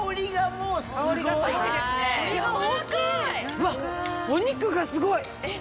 うわっお肉がすごい！